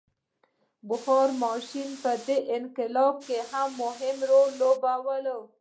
بخار ماشین په دې انقلاب کې مهم رول ولوباوه.